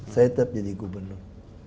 saya tetep jadi gubernur